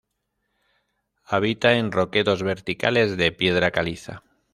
Habita en roquedos verticales de piedra caliza.